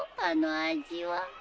あの味は。